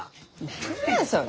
何やそれ。